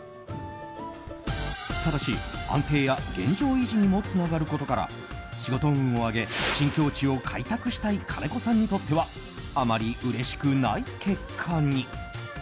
ただし、安定や現状維持にもつながることから仕事運を上げ新境地を開拓したい金子さんにとってはあまりうれしくない結果に。